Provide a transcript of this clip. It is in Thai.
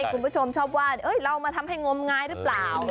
พวกคุณผู้ชมชอบว่าเรามันมาย้าทำงวมงายรึเปล่า